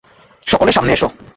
সকলে সামনে এস।